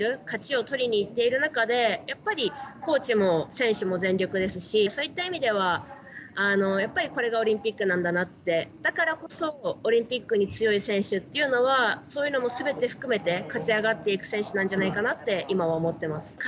勝ちを取りにいっている中でやっぱりコーチも選手も全力ですしそういった意味ではやっぱりこれがオリンピックなんだなってだからオリンピックに強い選手といのはそういうのもすべて含めて勝ち上がっていく選手なんじゃないかなと今は思っています。